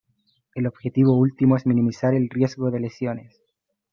El objetivo último es minimizar el riesgo de lesiones.